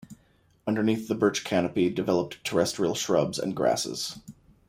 Underneath the birch canopy developed terrestrial shrubs and grasses.